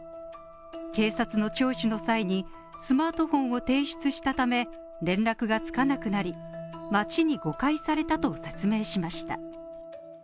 警察の聴取の際にスマートフォンを提出したため、連絡がつかなくなり町に誤解されたと説明しました。